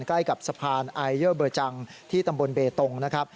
ใกล้กับสะพานไอเยอร์เบอร์จังที่ตำบลเบตงนะครับ